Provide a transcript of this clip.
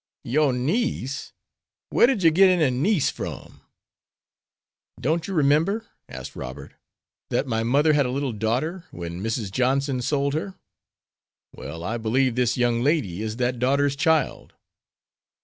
"Your niece! Whar did you git any niece from?" "Don't you remember," asked Robert, "that my mother had a little daughter, when Mrs. Johnson sold her? Well, I believe this young lady is that daughter's child."